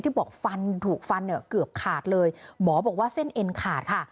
บอกฟันถูกฟันเนี่ยเกือบขาดเลยหมอบอกว่าเส้นเอ็นขาดค่ะ